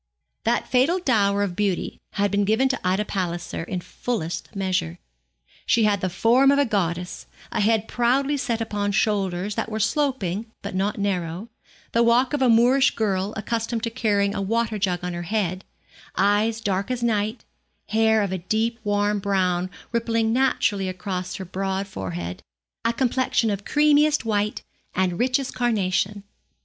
That fatal dower of beauty had been given to Ida Palliser in fullest measure. She had the form of a goddess, a head proudly set upon shoulders that were sloping but not narrow, the walk of a Moorish girl, accustomed to carrying a water jug on her head, eyes dark as night, hair of a deep warm brown rippling naturally across her broad forehead, a complexion of creamiest white and richest carnation.